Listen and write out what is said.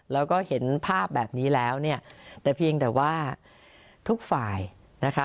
แล้วก็เห็นภาพแบบนี้แล้วเนี่ยแต่เพียงแต่ว่าทุกฝ่ายนะคะ